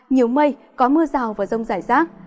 nhiều mây có mưa rào và rông giải rác